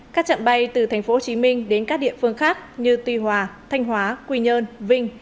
các trận bay từ tp hcm đến các địa phương khác như tuy hòa thanh hóa quy nhơn vinh